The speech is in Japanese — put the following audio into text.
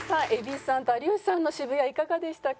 蛭子さんと有吉さんの渋谷いかがでしたか？